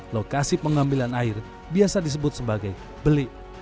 lokasi pengambilan air biasa disebut sebagai beli